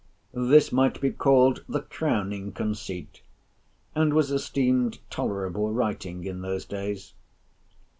This might be called the crowning conceit; and was esteemed tolerable writing in those days.